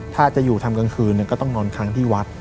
ถ้าจะอยู่ทำกลางคืนก็ต้องนอนค้างที่วัด